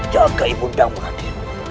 jaga imundamu radin